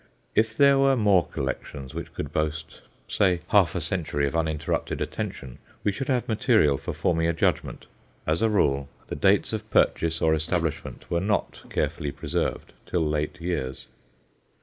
If there were more collections which could boast, say, half a century of uninterrupted attention, we should have material for forming a judgment; as a rule, the dates of purchase or establishment were not carefully preserved till late years.